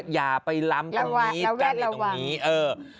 อย่าไปล้ำตรงนี้กันตรงนี้เออ